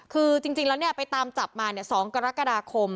คือจริงแล้วเนี่ยไปตามจับมาเนี่ย๒กรกฎาคม